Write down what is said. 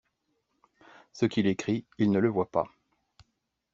Ce qu'il écrit, il ne le voit pas.